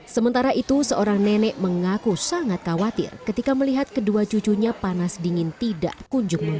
sementara itu seorang nenek mengaku sangat khawatir ketika melihat kedua cucunya panas dingin tidak kunjung